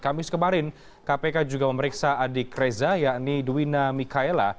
kamis kemarin kpk juga memeriksa adik reza yakni duwina mikaela